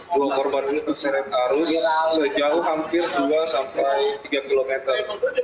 dua korban ini terseret arus sejauh hampir dua sampai tiga kilometer